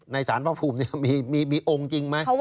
ในสารพระภูมิเนี่ยมีองค์จริงไหม